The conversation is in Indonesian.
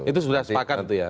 itu sudah sepakat itu ya